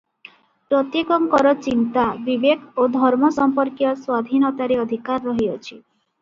ପ୍ରତ୍ୟେକଙ୍କର ଚିନ୍ତା, ବିବେକ ଓ ଧର୍ମ ସମ୍ପର୍କୀୟ ସ୍ୱାଧୀନତାରେ ଅଧିକାର ରହିଅଛି ।